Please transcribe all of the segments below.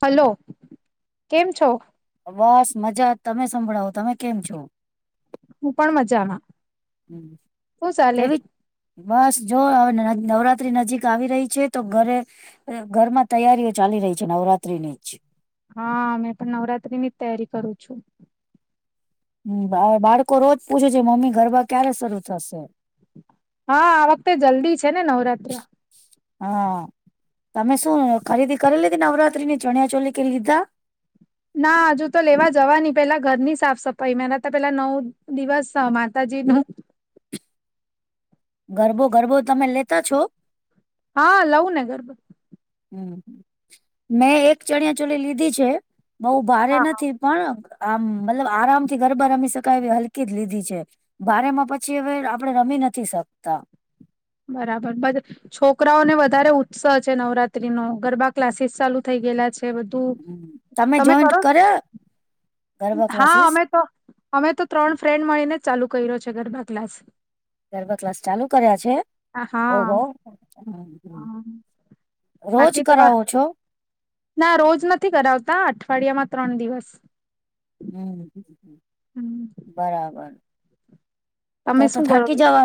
Hello, કેમ છો? બસ, મજા. તમે સંભળાવો, તમે કેમ છો? હું પણ મજામાં. હમ, શું ચાલે કેવી બસ, જો હવે નવરાત્રી નજીક આવી રહી છે તો ઘરે અ, ઘરમાં તૈયારીઓ ચાલી રહી છે નવરાત્રીની જ. હા, મેં પણ નવરાત્રીની જ તૈયારી કરું છું. હમ, બ-બાળકો રોજ પૂછે છે મમ્મી ગરબા ક્યારે શરૂ થશે? હા, આ વખતે જલ્દી છે ને નવરાત્રા. હા, તમે શું ખરીદી કરે લીધી નવરાત્રીની ચણિયા ચોલી કે લીધા? ના, હજુ તો લેવા જવાની. પેલા ઘરની સાફ-સફાઈમાં તે પેલા નવ દિવસ માતાજીનું ગરબો ગરબો તમે લેતા છો? હા, લઉને ગરબો. હમ, હમ મે એક ચણિયા ચોલી લીધી છે બઉ ભારે હા હા નથી પણ આમ મતલબ આરામથી ગરબા રમી શકાય એવી હલકી જ લીધી છે. ભારેમાં પછી હવે આપડે રમી નથી શકતા. બરાબર, બધ છોકરાઓને વધારે ઉત્સાહ છે નવરાત્રીનો, ગરબા ક્લાસીસ ચાલુ થઈ ગેલા છે બધ તું હમ. તમે જોઈન્ટ કરો? કર્યા ગરબા હા, ક્લાસીસ અમે તો અમે તો ત્રણ ફ્રેન્ડ મળીને જ ચાલુ કર્યો છે ગરબા ક્લાસ. ગરબ ક્લાસ ચાલુ કર્યા છે હા ઓહો હો. હમ હમ. રોજ બાકી તમા કરાવો છો? ના, રોજ નથી કરાવતા અઠવાડિયામાં ત્રણ દિવસ. હમ્મ, હમ બરાબર. તો તમે તો શું કરો થાકી જવા,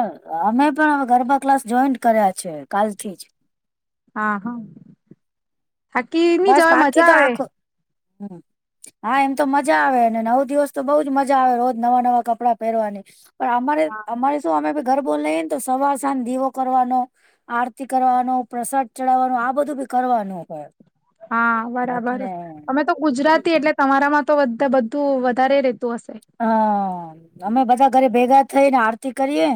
અમે પણ ગરબા ક્લાસ જોઈન કર્યા છે કાલથી જ. હા, હા થાકીની જવાય મજા આવે. હમ્મ. હા, એમ તો મજા આવેને નવ દિવસ તો બઉ જ મજા આવે રોજ નવા-નવા કપડાં પહેરવાની. પણ અમારે હા અમારે શું અમે બી ગરબો લઈએ ને તો સવાર સાંજ દીવો કરવાનો આરતી કરવાનો, પ્રસાદ ચઢાવાનો આ બધું બી કરવાનું હોય. હા, બરાબર. એટલે અમે તો ગુજરાતી એટલે તમારામાં તો બધે બધું વધારે રેતું હશે. હઅ, અમે બધા ઘરે ભેગા થઈને આરતી કરીએે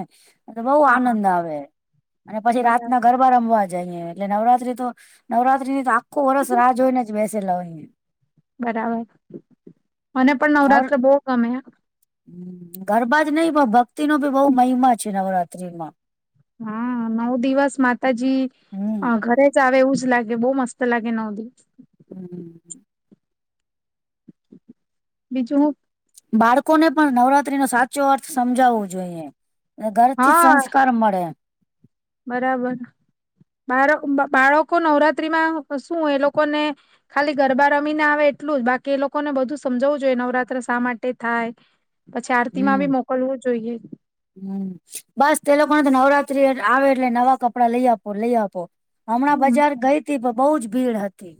અને બઉ હા હા આનંદ આવે, અને પછી બરાબર રાતના ગરબા રમવા જાઈએ, એટલે નવરાત્રી તો નવરાત્રીની તો ખો વરસ રાહ જોયને જ બેસેલા હોયએ. બરાબર, મને પણ નવરાત્ર બઉ ગમે હે. હમ્મ, ગરબા જ નઈ પણ ભક્તિનો બી બઉ મહિમા છે નવરાત્રીનો. હન, નવ દિવસ માતાજી હમ અ ઘરે આવે એવું જ લાગે બહુ મસ્ત લાગે નવદીપ હમ્મ બીજું હું બાળકોને પણ નવરાત્રી નો સાચો અર્થ સમજાવવો જોઈએ. ઘરથી જ હા સંસ્કાર મળે. બરાબર બાળ બાળકો નવરાત્રીમાં શું એ લોકોને ખાલી ગરબા રમીને આવે એટલું જ બાકી એ લોકોને બધું સમજાવવું જોઈએ નવરાતત્રી શા માટે થાય પછી આરતી માં બી મોકલવું જોઈએ હમ્મ બસ તે લોકોને તો નવરાત્રી આવે એટલે નવા કપડા લઈ આપો લઈ આપો હમણાં હમ બજાર ગઈ હતી પણ બહુ જ ભીડ હતી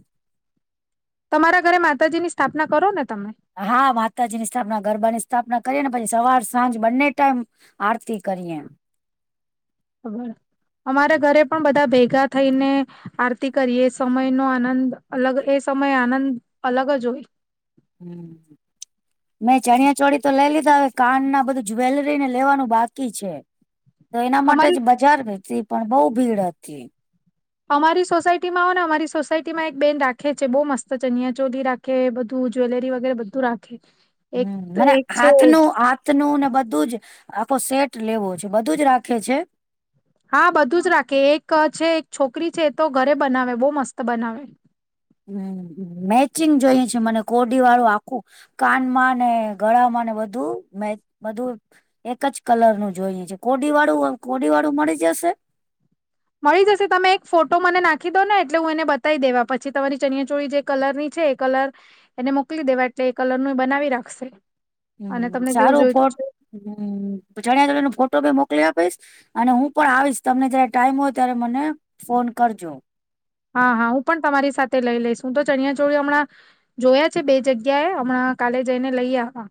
તમારા ઘરે માતાજી ની સ્થાપના કરો ને તમે હા માતાજી ની સ્થાપના ગરબાની સ્થાપના કરીએે ને પછી સવાર સાંજ બંને ટાઈમ આરતી કરીએે હમ્મ અમારા ઘરે પણ બધા ભેગા થઈને આરતી કરીએ એ સમય નો આનંદ અલગ એ સમય આનંદ અલગ જ હોય હમ્મ મેં ચણિયા ચોળી તો લઈ લીધા હવે કાન ના બધું જવેલરી ને લેવાનું બાકી છે તો એના માટે અમારી જ બજાર વતી પણ બહુ ભીડ હતી અમારી સોસાયટીમાં હો ને અમારી સોસાયટી માં એક બેન રાખે છે બહુ મસ્ત છેનિયા ચોલી રાખે કે બધું જ્વેલરી વગેરે બધું રાખે એક હમ્મ મને એક છે હાથ નું હાથ નું ને બધું જ આખો સેટ લેવો છે બધું જ રાખે છે હા બધું જ રાખે એક છે એક છોકરી છે એ તો ઘરે બનાવે બહુ મસ્ત બનાવે હમ્મ મેચિંગ જોઈ છે મને કોડી વાળું આખું કાનમાં ને ગળામાં ને બધું મે બધું એક જ કલર નું જોઈએ છે કોડી વાળું કોડી વાળું મળી જશે મળી જશે તમે એક ફોટો મને નાખી દો ને એટલે હું એને બતાવી દેવા પછી તમારી ચનિયાચોળી જે કલર ની છે એ કલર એને મોકલી દેવા એટલે એ કલર નું બનાવી રાખશે અને હમ્મ તમને જેવું સારું ફો જોઈતું છે હમ્મ ચાડિયા ચોળી નો ફોટો બી મોકલી આપીશ અને હું પણ આવીશ તમને જયારે ટાઈમ હોય ત્યારે મને ફોન કરજો હા હા હું પણ તમારી સાથે લઈ લઈશું તો ચણિયાચોળી હમણાં જોયા છે બે જગ્યાએ હમણાં કાલે જઈને લઈ આ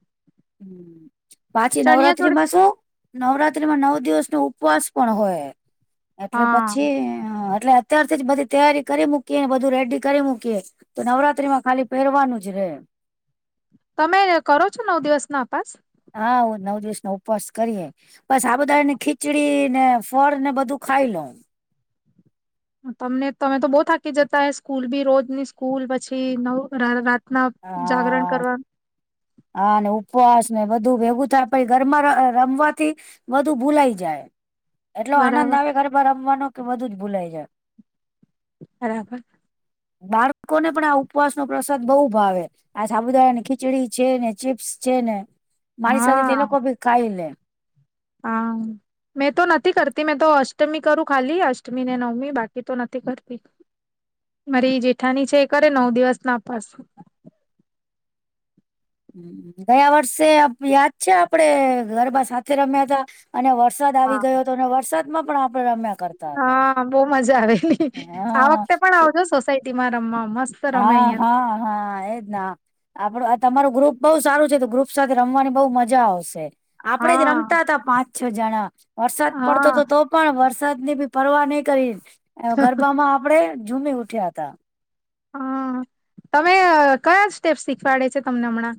પાછી નવરાત્રીમાં શું નવરાત્રીમાં નવ દિવસ નો ઉપવાસ પણ હોય એટલે હા પછી એટલે અત્યારથી જ બધી તૈયારી કરી મૂકીએ ને બધું રેડી કરી મૂકીએ તો નવરાત્રી માં ખાલી પહેરવાનું જ રે તમે કરો છો નવ દિવસ ના અપાસ હા હૂ નવ દિવસ નો ઉપવાસ કરીએ બસ ડબુદાણા ની ખીચડી ને ફળ ને બધું ખાઈ લઉ તમને તમે તો બહુ થાકી જતા હ સ્કૂલ બી રોજની સ્કૂલ પછી નવ રાતના હા જાગરણ કરવા નુ હાને ઉપવાસ ને બધું ભેગું થાય પ ઘરમાં રમવાથી બધું ભૂલાઈ જાય એટલો બરાબર આનંદ આવે ગરબા રમવાનો કે બધું જ ભૂલાઈ જાય બરાબર બાળકોને પણ આ ઉપવાસ નો પ્રસાદ બહુ ભાવે આ સાબુદારા ને ખીચડી છે ને ચીપ્સ છે ને મારી સાથે તે હા લોકો ભી ખાઈ લે હા મેં તો નથી કરતી મેં તો અષ્ટમી કરું ખાલી અષ્ટમી ને નવમી બાકી તો નથી કરતી મારી જેઠાની છે એ કરે નવ દિવસ ના અપાસ હ ગયા વર્ષે યાદ છે આપડે ગરબા સાથે રમ્યા હતા અને વરસાદ આવી હા ગયો હતો અને વરસાદમાં પણ આપડણે રમ્યા કરતા હતા હા બહુ મજા આવેલી આ હા વખતે પણ ખુ- આવજો સોસાયટીમાં રમવા મસ્ત રમે હા અહિયાં તો હા હા એના આપડું તમારું ગ્રુપ બહઉ સારું છે તો ગ્રુપ સાથે રમવાની બહુ મજા આવશે આપડે જ હા રમતા હતા પાંચ છ જણા વરસાદ પડતો તો હા તો પણ વરસાદ ની બી પરવા નહી કરી ગરબામાં આપડે ઝૂમી ઉઠ્યા તા. હમ તમે કયા સ્ટેપ્ શીખવાડે છે તમને હમણાં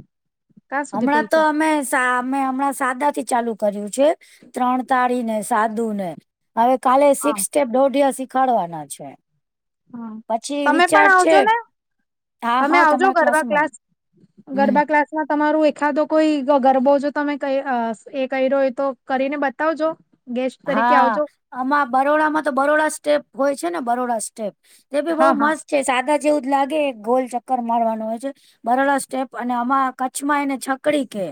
ક્યાં સુધી હમણાં તો પહોંચ્યા અમે સા અમે હમણાં સાદા થી ચાલુ કર્યું છે ત્રણ તાળી ને, સાદુ ને હવે કાલે સિક્સ સ્ટેપ દોઢિયા શીખાડવાના છે. હમ પછી તમે પણ વિચાર છે આવજો ને, હા તમે હા આવજો તમારા ગરબા ક્લાસમાં ક્લાસ હમ ગરબા ક્લાસ તમારું એખાદો કોઈ ગરબો જો તમે એ કર્યો એ તો કરીને બતાવજો. ગેસ્ટ તરીકે હા આવજો આમાં બરોડામાં તો બરોડા સ્ટેપ હોય છે ને બરોડા સ્ટેપ. તે ભી બઉુ હા હા મસ્ત છે સાદા જેવું જ લાગે ગોલ ચક્કર મારવાનું હોય છે. બરાડ સ્ટેપ અને આમાં કચ્છમાં એને છકડી કે.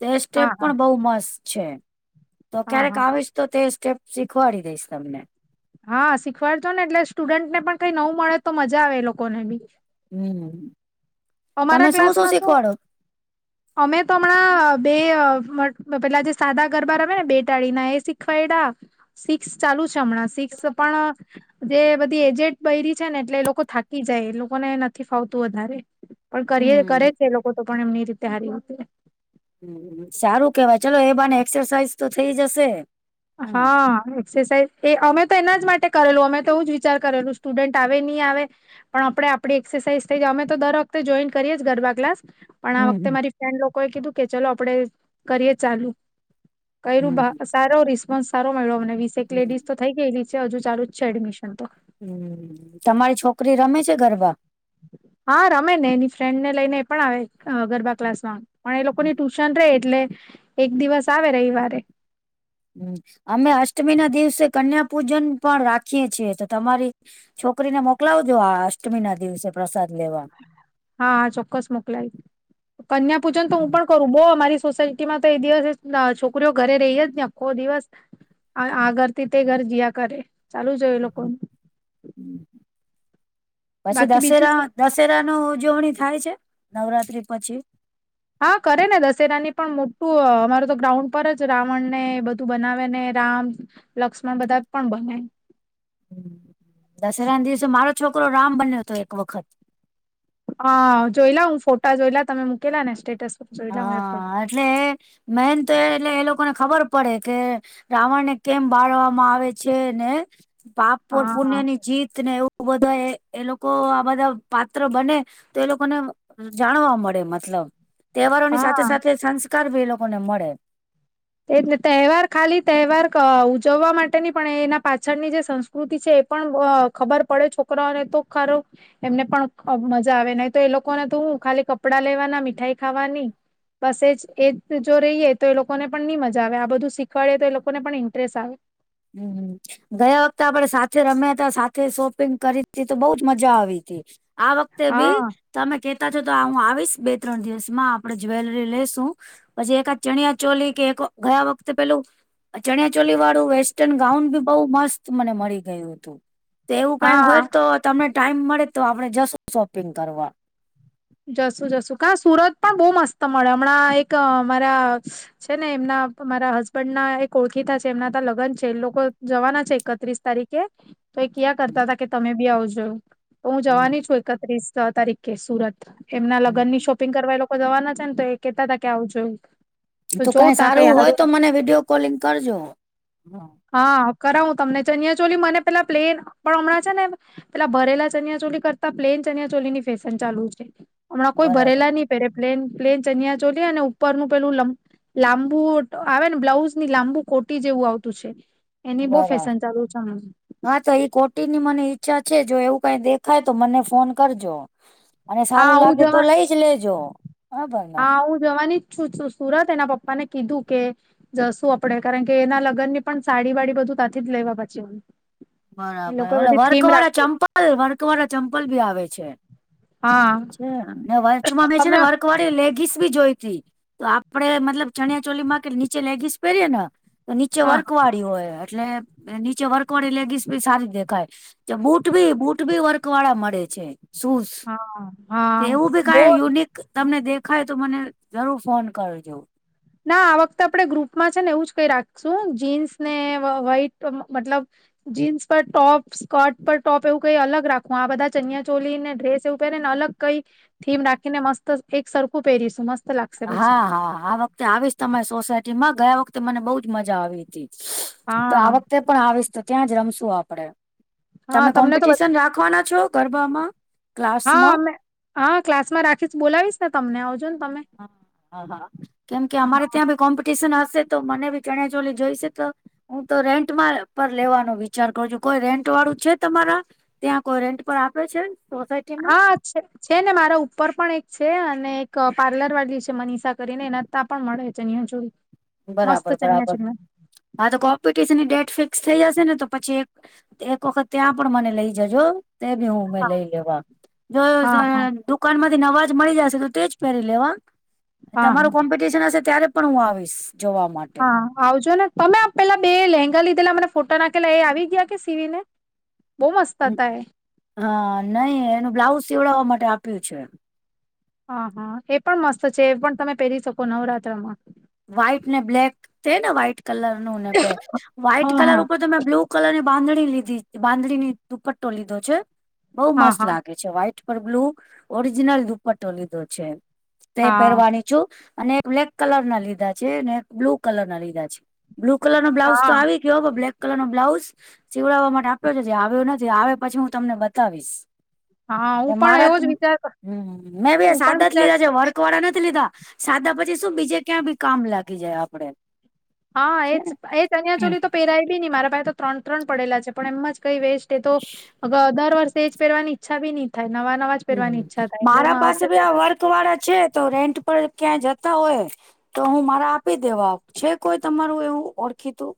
તે સ્ટેપ હા હા પણ બઉુ મસ્ત છે તો હા ક્યારેક હા આવીશ તો તે સ્ટેપ શીખવાડી દઈશ તમને હા શીખવાડજો ને એટલે સ્ટુડન્ટ ને પણ કઈ નવું મળે તો મજા આવે એ લોકોને બી હમ તમે અમારા શું શું ક્લાસમાં શીખવાડો. અમે તો હમણાં બે પેલા જે સાદા ગરબા રમે ને બે ટાળીના એ શિખ ખવાડા સિક્સ ચાલુ છે હમણાં સિક્સ પણ, જે બધી એજેટ બૈરી છે ને એટલે એ લોકો થાકી જાય એ લોકોને નથી ફાવતું વધારે. પણ કરીએ કરે હમ્મ, છે એ લોકો તો પણ એમની રીતે સારી રીતે હ સારું કેવાય ચાલો એ બાને એક્સરસાઈઝ તો થઇ જશે. હમ્મ. હા. એસરસાઇઝ એ અમે તો એના જ માટે કરેલું અમે તો એવું જ વિચાર કરેલું સ્ટુડન્ટ આવે નહી આવે. પણ આપણે આપડી એક્સરસાઇઝ થઈ જ અમે તો દર વખતે જોઈન કરીએ ગરબા ક્લાસ. પણ આ હમ્મ, વખતે હમ્મ. મારી ફ્રેન્ડ લોકો એ કીધું કે ચલો આપડે કરીએ ચાલુ કરું હમ્મ, ભ સારો રિસ્પોન્સ સારો મળ્યો મને વીસેક હમ્મ. લેડીઝ તો થઈ ગયેલી છે હજુ ચાલુ જ છે એડમિશન તો હમ તમારી છોકરી રમે છે ગરબા. હા રમે ને એની ફ્રેન્ડ ને લઈને એ પણ આવે ગરબા ક્લાસમાં પણ એ લોકોની ટ શન રે એટલે એક દિવસ આવે રવિવારે. હ અમે અષ્ટમી ના દિવસે કન્યા પૂજન પણ રાખીએ છીએ તો તમારી છોકરીને મોકલાવજો આ અષ્ટમી ના દિવસે પ્રસાદ લેવા. હા ચોક્કસ મોકલાય કન્યા પૂજન તો હું પણ કરું બહુ અમારી સોસાયટીમાં તો એ દિવસ છોકરીઓ ઘરે રહીય જ ને આખો દિવસ આ ઘરથી તે ઘર જયા કરે ચાલુ જો એ લોકોનું. પછી બાકી બીજું શું દસેરા દશેરા નુ ઉજવણી થાય છે નવરાત્રી પછી. હા કરે ને દશેરા ની પણ મોટું અમારું તો ગ્રાઉન્ડ પર જ રાવણ ને બધું બનાવે ને રામ લક્ષ્મણ બધા પણ બનાએ. દસરા ના દિવસે મારો છોકરો રામ બન્યો હતો એક વખત. હા જોઈ લ હું ફોટા જોઈ લ તમે મૂકેલા ને સ્ટેટસ પર જોયેલા હું એ ફોટા હા એટલે મેન તો એ એટલે એ લોકોને ખબર પડે કે રાવણ ને કેમ બાળવામાં આવે છે ને પાપ ઓર પુણ્ય હા ની જીત ને એવું બધા એ લોકો આ બધા પાત્ર બને તો એ લોકોને જાણવા મળે મતલબ તહેવારો ની સાથે હા સાથે સંસ્કાર ભી એ લોકોને મળે. તહેવાર ખાલી તહેવાર ઉજવવા માટે નની પણ એના પાછળની જે સં પ્રકૃતિ છે એ પણ ખબર પડે છોકરાને તો ખરો, એમને પણ મજા આવે નહીં તો એ લોકોને તો હું ખાલી કપડા લેવાના મીઠાઈ ખાવાની. બસજ એજ જો રહીએ તો એ લોકોને. પણ નહી મજા આવે આ બધું શીખવાડે તો લોકોને પણ ઇન્ટરેસ્ટ આવે. હમ. ગયા વખતે આપણે સાથે રમ્યા ત સાથે શોપિંગ કરી હતી તો બઉજ મજા આવી હતી. આ વખતે બી હા તમે કે તા છો તો હું આવીશ બે ત્રણ દિવસમાં આપણે જ્વેલરી લઈેશું. પછી એક આ ચણિયા ચોલી કે એક ગયા વખતે પેલું ચણિયા ચોલી વાળું વ. ગાઉન બી બહુ મસ્ત મને મળી ગયું હતું તો એવું કઈ હા હોય તો. તમને ટાઈમ મળે તો આપણે જશું શોપિંગ કરવા. જસું જસું કા સુરત પણ બહુ મસ્ત મળે હમણાં એક અ મામારા. છે ને એમના મારા હસબન્ડ ના એક ઓળખીતા છે એમના લગ્ન છે એ લોકો જવાના છે એકત્રીસ તારીખ. કે્યા. તો એ ક્યાં કરતા હતા કે તમે બી આવ જોું તો હું જવાની હમ છું એકત્રીસ તારીખે સુરત. એમના લગ્ન ની હમ શોપિંગ કરવા એ લોકો જવાના છે ને તો એ કેહેતા હતા કે આવું જોયું. તો તું જોવું કઈ તા સારું હોય તો મને વિડીયો કોલિંગ કરજો. હા કરાવું તમને ચનિયા ચોલી મને પેલા પ્લેન પણ હમણાં છે ને. પેલા ભરેલા ચનિયા ચોલી કરતા પ્લેન ચનિયા ચોલી ની ફેશન ચાલુ છે હમણાં કોઈ બરાબર ભરેલા ની. પે પ્લેન પ્લેન ચનિયા ચોલી અને ઉપરનું પેલું લં. લાંબુ આવે ને બ્લાઉઝ ની લાંબુ કોટી જેવું આવતું. તું છે એની બહુ બરાબર. ફેશન ચાલુ છે. હા તો ઈ કોટીની મને ઈચ્છા છે જો એવું કઈ દેખાય તો મને ફોન કરજો. અને હા સારું હું લાગે તો જવા લઈ જ લેજો બરાબર ને. હા હું જવાની છું સુરત એના પપ્પા ને કીધું કે. જશું આપડે કારણ કે એના લગ્ન ની પણ સાડી વાડી બધું ત્યાંથી જ લેવા પાચી હો. બરાબર ઓલા વર્ક વાળા ચંપલ વર્ક વાળા ચંપલ બી આવે છે. હા છે વર્ચમાં મે છે ને અમે વર્ક વાળી લેગીસ બી જોઈતી. તો આપડે મતલબ ચણિયા ચોલી માં કે નીચે લેગીસ પહેરીએ ને તો નીચે હા વર્ક વાળી હોય. એટલે નીચે વર્કવાળી લેગીસ બી સારી દેખાય. બુટ બી બુટ બી વર્ક વાળા મળે છે શૂઝ. હા હા. એવું બી કઈ બોલ યુનિક તમને દેખાય તો મને જરૂર ફોન કરજો. ના આ વખતે આપડે ગ્રુપમાં છે ને એવું જ કઈ રાખશું જીન્સ ને વાઈટ મતલબ. જીન્સ પર ટોપ સ્કર્ટ પર ટોપ એવું કઈ અલગ રાખવું આ બધા ચનિયા ચોલી ને ડ્રેસ. પહેરે ને અલગ કઈ થીમ રાખીને મસ્ત એક સરખું પહેરીશું મસ્ત. લાગશે પછી હા હા આ વખતે આવીશ તમારી સોસાયટી માં ગયા વખતે મને બહુ જ મજા આવી હતી. તો હા આ વખતે પણ આવીશ તો ત્યાં જ રમશુ આપડે હા તમે તમને તો બ કોમ્પિટિશન રાખવાના છો. ગરબામાં. હા ક્લાસમાં અમે હા ક્લાસમાં રાખીશ બોલાવીશ ને તમને આવજો ને તમે. હા હા કેમ કે અમારે હા ત્યાં ભી કોમ્પ. ટીશન હશે તો મને બી ચણિયા ચોલી જોઈશે તો. હું તો રેન્ટમાં પર લેવાનો વિચાર કરું છું કોઈ રેન્ટ વાળું છે તમારા. ત્યાં કોઈ રેન્ટ પર આપે છે સોસાયટી. હા. છે ને મારા ઉપર પણ એક છે અને એક પાર્લર વાલી છે મનીષા કરીને એના. પણ મળે છે ચણિયા ચોળી. બરાબર બરાબર હા તો કોમ્પિટશનની ડેટ ફિક્સ થઈ જશે ને તો પછી એક. એક વખત ત્યાં પણ મને લઈ જજો તે બી હું. હા લઈ લેવા જો હા હા દુકાન માંથી અવાજ મળી જશે તો તેજ પહેરી લેવા. હા હા તમારું કોમ્પિટિશન હશે ત્યારે પણ હું આવીશ જોવા માટે. હા આવજો ને તમે પેલા બે લેંગા લીધેલા મને ફોટા નાખેલા એ આવી ગયા કે સીવી ને. બહુ મસ્ત હતા એ. હા નહી એનું બ્લાઉઝ સીવડાવવા માટે આપ્યું છે. હ હા એ પણ મસ્ત છે એ પણ તમે પહેરી શકો નવરાત્રમાં. વ્હાઈટ ને બ્લેક તેને્હાઈટ કલર નું ને બેક વ્હાઈટ હા કલર હા ઉપર. તમે બ્લુ કલર ની બાંધણી લીધી બાંધણીની દુપટ્ટો લીધો છે બઉુ હા મસ્ત હા લાગે. વહાઇટ પર બ્લુ ઓરિજિનલ દુપટ્ટો લીધો છે તે પહેરવાની, જો અને એક બ્લેક કલર ના લીધા છે અને એક બ્લુ કલર ના લીધા છે. બ્લુ કલર નો બ્લાઉઝ તો હા આવી ગયો બ્લેક કલર નો બ્લાઉઝ. સિવડાવવા માટે આપ્યો છે આવ્યો નથી આવે પછી હું તમને બતાવીશ. હા હા હું પણ મારા એવો જ વિચાર મેં બી એ હું સાદો પણ જ વિચાર લીધા છે વર્ક કરવાળો નથી લીધો સાદા પછી શું બીજે ક્યાં ભી કામ લાગી જાય આપડે. હા એજ છે ને એ ચનિયા હમ ચોલી તો પહેરાય બી નહી મારા પાસે તો ત્રણ ત્રણ પડેલા છે પણ એમ જ કઈ વેસ્ટ તે તો દર વર્ષે એ જ પહેરવાની ઈચ્છા ભી નહી થાય નવા-નવા, હ મારા પાસે ભી આ વર્ક વાળા છે તો રેન્ટ પર ક્યાં જતા હોય, તો હું મારા આપી દેવા છે કોઈ તમારું એવું ઓળખીતું.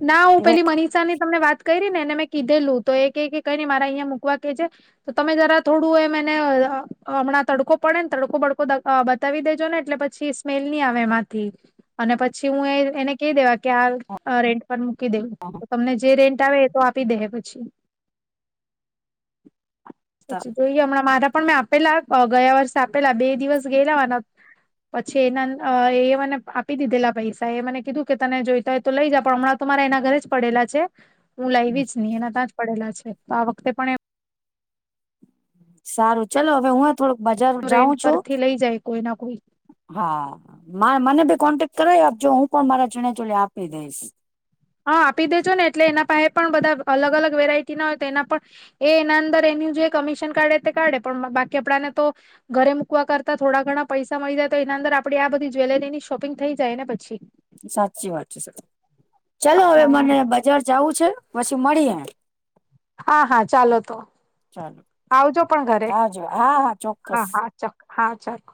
ના હું રે. પેલી મનીષા ની તમને વાત કરી ને એને મેં કીધેલું તો એ કઈ નઈ મારા અહિયાંયા મૂકવા કે જે, તો તમે જરા થોડું એમ એને હમણાં તડકો પડે ને તડકો બડકો દ અ બ બતાવી દેજો ને એટલે પછી સ્મેલ નહી આવેમાંથી અને પછી હું એ એને કહી દેવા કે આ, રેન્ટ પર મૂકી દેવું તો તમને જે રેન્ટ આવે એ તો, આપી દે હે પછી, પછી, જોઈએ હમણાં મારા પણ મેં આપેલા ગયા વર્ષે આપેલા બે દિવસ ગયેલા માર પછી એના એ મને આપી દીધેલા પૈસા એ મને કીધું કે તને જોઈતા હોય, તો લઈ જા પણ હમણાં તો મારા એના ઘરે જ પડેલા છે હું લાઇવી જ નહી એના તં, પડેલા છે તો આ વખતે પણ એમ, સારું ચલો હવે હું થોડુંક બજાર એ જાઉં રેન્ટ છું. પરથી લઈ જાય કોઈ ના કોઈ હા મને ભી કોન્ટેક્ટ કરાઇ આપજો હું પણ મારા ચણિયા ચોણી આપી દઈશ. હા આપી દેજો ને એટલે એના પાસે પણ બધા અલગ અલગ વેરાયટી ના હોય તો એના પણ, એ એના અંદર એની જે કમિશન કાઢે તે કાઢે પણ બાકી આપણાને તો, ઘરે મૂકવા કરતા થોડા ઘણા પૈસા મળી જાય તો એના અંદર આપણેે આ બધી જ્વેલરીની શોપિંગ થઈ જાય ને પછી. સાચી વાત છે સર ચાલો હવે હા મને બજાર જાવું છે પછી મળીએ. હા હા ચાલો તો, ચાલો આવજો પણ ઘરે હાજો હા હા ચોક્કસ હા, ચ હા ચાલો.